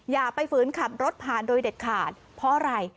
อย่าไปฝืนขับรถผ่านโดยเด็ดขาดเพราะอะไร